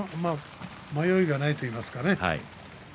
迷いがないといいますかね